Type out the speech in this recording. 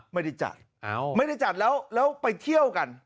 ไม่ได้จัดไม่ได้จัดแล้วแล้วไปเที่ยวกัน